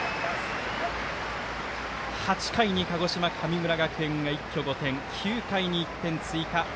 ８回に鹿児島、神村学園が一挙５点、９回に１点追加。